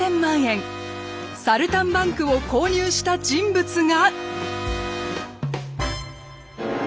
「サルタンバンク」を購入した人物が。